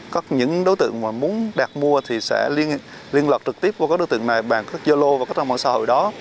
các những đối tượng mà muốn đạt mua thì sẽ liên lạc trực tiếp với các đối tượng này bằng các yolo và các trang mạng xã hội đó